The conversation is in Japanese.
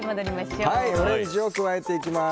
オレンジを加えていきます。